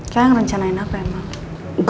kalian rencanain apa emang